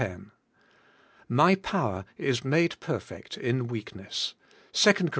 *My power is made perfect in weakness. '—2 COR.